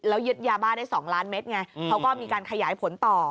แล้วยึดยาบ้าได้๒ล้านเมตรไงเขาก็มีการขยายผลต่อ